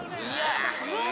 「うわ」